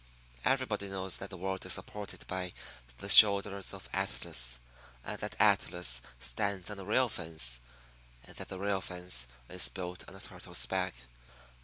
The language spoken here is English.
Everybody knows that the world is supported by the shoulders of Atlas; and that Atlas stands on a rail fence; and that the rail fence is built on a turtle's back.